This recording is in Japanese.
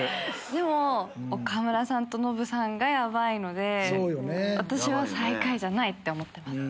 でも岡村さんとノブさんがヤバいので私は最下位じゃないって思ってます。